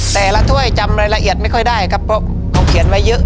ถ้วยจำรายละเอียดไม่ค่อยได้ครับเพราะเขาเขียนไว้เยอะ